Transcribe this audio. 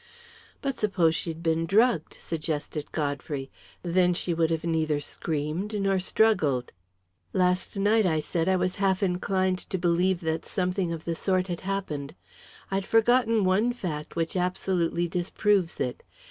"But suppose she'd been drugged," suggested Godfrey. "Then she would have neither screamed nor struggled." "Last night," I said, "I was half inclined to believe that something of the sort had happened. I'd forgotten one fact which absolutely disproves it.